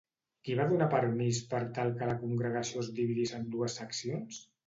Qui va donar permís per tal que la congregació es dividís en dues seccions?